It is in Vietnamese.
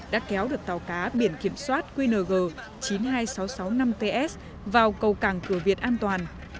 đã kéo được tàu cá biển kiểm soát qng chín mươi hai nghìn sáu trăm sáu mươi năm ts vào cầu cảng cửa việt an toàn